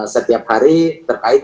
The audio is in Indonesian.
setiap hari terkait